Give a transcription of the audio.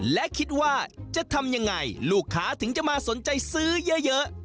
และคิดว่าจะทำยังไงลูกค้าถึงจะมาสนใจซื้อเยอะ